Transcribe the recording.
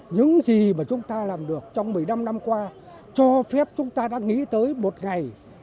những gì mà chúng ta làm được trong một mươi năm năm qua cho phép chúng ta đã nghĩ tới một ngày